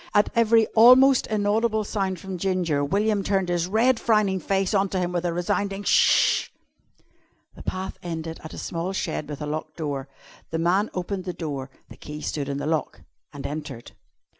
At every almost inaudible sound from Ginger, William turned his red, frowning face on to him with a resounding "Sh!" The path ended at a small shed with a locked door. The man opened the door the key stood in the lock and entered.